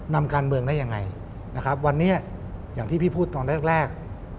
นำการเมืองได้ยังไงนะครับวันนี้อย่างที่พี่พูดตอนแรก